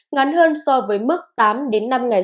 ngắn hơn so với mức tám năm ngày trong một mươi tám ngày